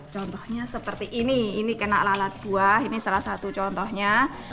contohnya seperti ini ini kena lalat buah ini salah satu contohnya